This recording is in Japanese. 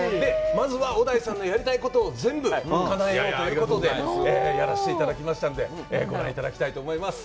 まずは小田井さんのやりたいことを全部かなえようということでやらせていただきましたんで、ご覧いただきたいと思います。